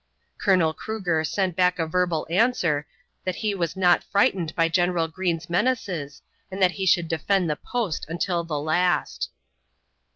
Colonel Cruger sent back a verbal answer that he was not frightened by General Greene's menaces and that he should defend the post until the last.